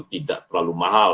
tidak terlalu mahal